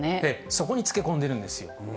そこにつけ込んでいるんですよ。